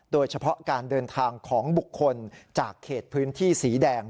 โดยเฉพาะการเดินทางของบุคคลจากเขตพื้นที่สีแดง